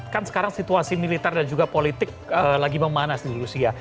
kan sekarang situasi militer dan juga politik lagi memanas dulu sih ya